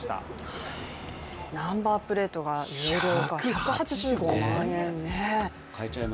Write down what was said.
ナンバープレートが有料化、１８５万円。